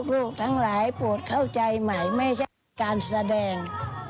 ลูกทั้งหลายโปรดเข้าใจใหม่ไม่ใช่การแสดง